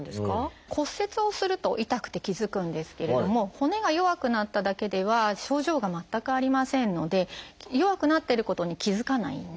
骨折をすると痛くて気付くんですけれども骨が弱くなっただけでは症状が全くありませんので弱くなってることに気付かないんですね。